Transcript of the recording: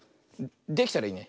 できたらいいね。